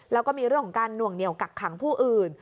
แล้วก็มีเรื่องของการหน่วงเหนียวกักขังผู้อื่น